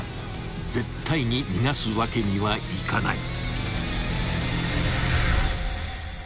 ［絶対に逃がすわけにはいかない］